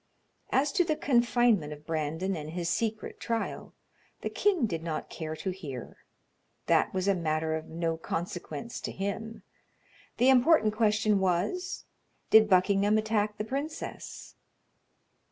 As to the confinement of Brandon and his secret trial, the king did not care to hear; that was a matter of no consequence to him; the important question was, did Buckingham attack the princess?